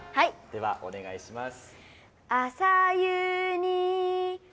ではお願いします。